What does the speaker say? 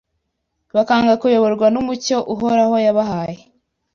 bakanga kuyoborwa n’umucyo Uhoraho yabahaye,